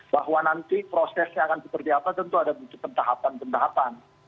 bahwa nanti prosesnya akan seperti apa tentu ada pentahapan pentahapan